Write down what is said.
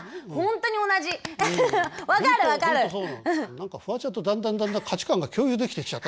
何かフワちゃんとだんだんだんだん価値感が共有できてきちゃった。